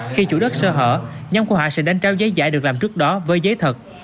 khi chủ đất sơ hở nhóm của họ sẽ đánh trao giấy giải được làm trước đó với giấy thật